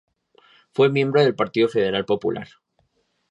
Fue miembro del Partido Federal Popular.